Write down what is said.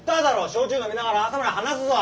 焼酎飲みながら朝まで話すぞ！